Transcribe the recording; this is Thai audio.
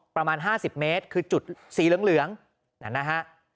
ประมาณ๕๐เมตรคือจุดสีเหลืองนั่นนะฮะ